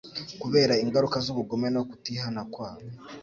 kubera ingaruka z'ubugome no kutihana kwabo.